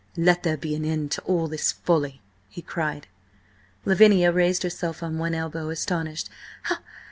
"Let there be an end to all this folly!" he cried. Lavinia raised herself on one elbow, astonished.